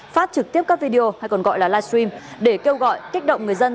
phát trực tiếp các video hay còn gọi là live stream để kêu gọi kích động người dân